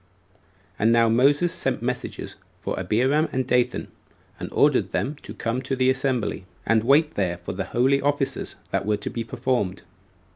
And now Moses sent messengers for Abiram and Dathan, and ordered them to come to the assembly, and wait there for the holy offices that were to be performed.